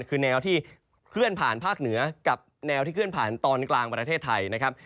คือแนวที่เคลื่อนผ่านภาคเหนือกับแนวที่เคลื่อนผ่านตอนกลางประเทศไทยนะครับ